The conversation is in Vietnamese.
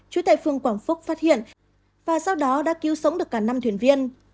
chú tài phương quảng phúc phát hiện và sau đó đã cứu sống được cả năm thuyền viên